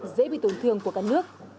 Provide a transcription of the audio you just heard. dễ bị tổn thương của các nước